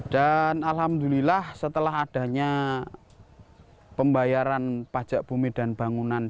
dan alhamdulillah setelah adanya pembayaran pajak bumi dan bangunan